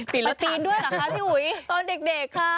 ปีนรถถังด้วยเหรอคะพี่หุย